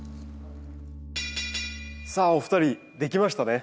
さあお二人できましたね？